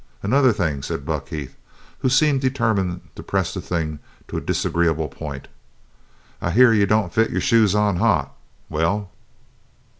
"Another thing," said Buck Heath, who seemed determined to press the thing to a disagreeable point. "I hear you don't fit your shoes on hot. Well?"